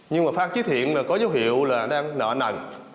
nhưng mà phan trí thiện có dấu hiệu là đang nợ nần